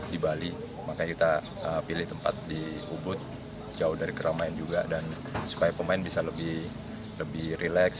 di ubud jauh dari keramaian juga dan supaya pemain bisa lebih relax